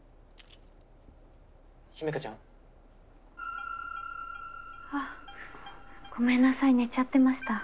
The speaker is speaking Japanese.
ユメカちゃん？あごめんなさい寝ちゃってました。